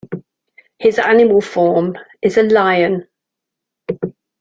His animal form is a lion.